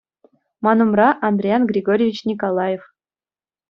Ман умра Андриян Григорьевич Николаев.